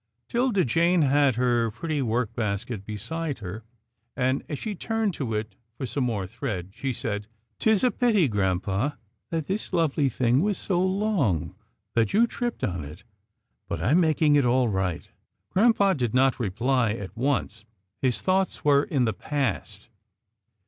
'Tilda Jane had her pretty work basket beside her, and, as she turned to it for some more thread, she said, " 'Tis a pity, grampa, that this lovely thing was so long, that you tripped on it, but I'm making it all right." Grampa did not reply at once. His thoughts were in the past.